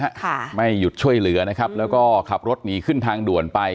ค่ะไม่หยุดช่วยเหลือนะครับแล้วก็ขับรถหนีขึ้นทางด่วนไป